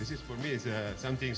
ini adalah sesuatu yang istimewa